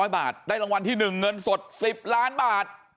๐บาทได้รางวัลที่๑เงินสด๑๐ล้านบาท